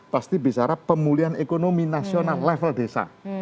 pasti bicara pemulihan ekonomi nasional level desa